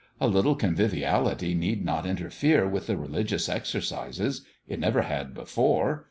A little conviviality need not interfere with the religious exercises. It never had before.